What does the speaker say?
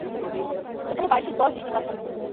এখানে বার্ষিক গড় বৃষ্টিপাত হয়।